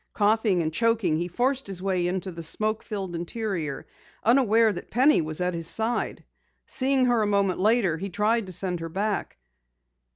Coughing and choking, he forced his way into the smoke filled interior, unaware that Penny was at his side. Seeing her a moment later, he tried to send her back.